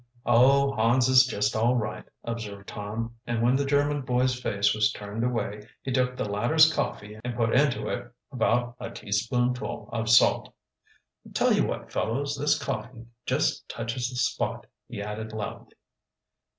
"Oh, Hans is just all right," observed Tom, and when the German boy's face was turned away he took the latter's coffee and put into it about a teaspoonful of salt. "Tell you what, fellows, this coffee just touches the spot," he added loudly.